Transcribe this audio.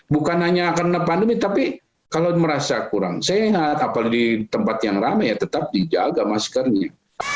bukan hanya karena pandemi tapi kalau merasa kurang sehat apalagi di tempat yang ramai ya tetap dijaga maskernya